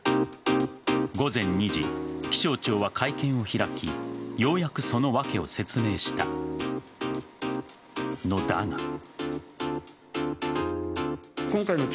午前２時、気象庁は会見を開きようやくその訳を説明したのだが。